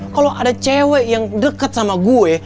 kalau ada cewek yang deket sama gue